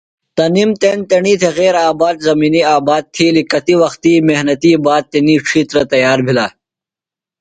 تنِم تݨ تیݨی تھےۡ غیر آباد زمِنی آباد تِھیلیۡ۔ کتیۡ وخت محنتیۡ باد تنی ڇِھیترہ تیار بِھلہ۔